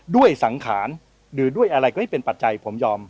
ด้วยสังขารหรือด้วยอะไรก็ให้เป็นปัจจัยผมยอม